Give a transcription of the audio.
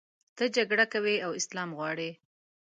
ته جګړه کوې او اسلام غواړې.